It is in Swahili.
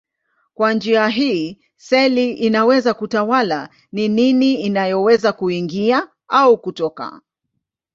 Kwa njia hii seli inaweza kutawala ni nini inayoweza kuingia au kutoka.